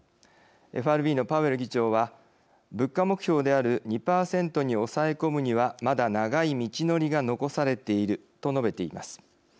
ＦＲＢのパウエル議長は「物価目標である２％に抑え込むにはまだ長い道のりが残されている」と述べています。